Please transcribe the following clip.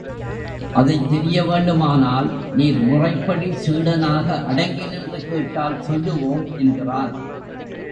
அதைத் தெரிய வேண்டுமானால் நீர் முறைப்படி சீடனாக அடங்கி நின்று கேட்டால் சொல்லுவோம் என்கிறான்.